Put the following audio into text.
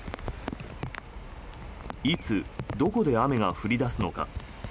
いつ、どこで雨が降り出すのか。